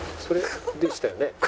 それでしたよね？